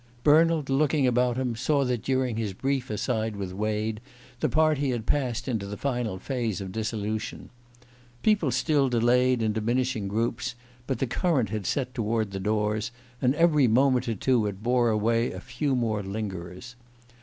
Bernald, looking about him, saw that during his brief aside with Wade the party had passed into the final phase of dissolution. People still delayed, in diminishing groups, but the current had set toward the doors, and every moment or two it bore away a few more lingerers.